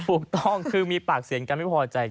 ถูกต้องคือมีปากเสียงกันไม่พอใจ